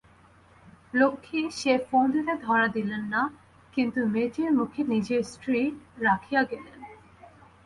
লক্ষ্মী সে ফন্দিতে ধরা দিলেন না, কিন্তু মেয়েটির মুখে নিজের শ্রী রাখিয়া গেলেন।